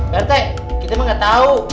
partai kita mah gak tau